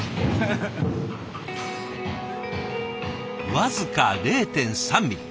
僅か０．３ミリ。